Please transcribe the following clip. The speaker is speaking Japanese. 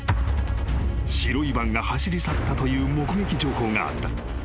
［白いバンが走り去ったという目撃情報があった］